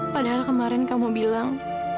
padahal kemarin kamu bilang